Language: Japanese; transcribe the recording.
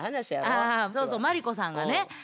ああそうそうマリコさんがね